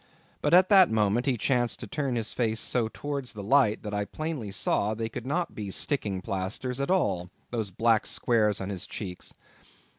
But at that moment he chanced to turn his face so towards the light, that I plainly saw they could not be sticking plasters at all, those black squares on his cheeks.